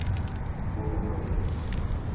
Умыкӏожь!